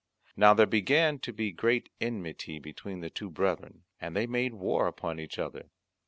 Now there began to be great enmity between the two brethren, and they made war upon each other.